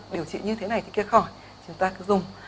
điều trị như thế này thì kia khỏi chúng ta cứ dùng